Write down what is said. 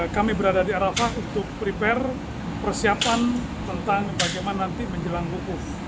kami berada di arafah untuk prepare persiapan tentang bagaimana nanti menjelang wukuf